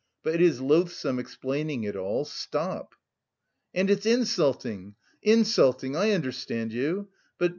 But it is loathsome explaining it all. Stop!" "And it's insulting, insulting! I understand you. But...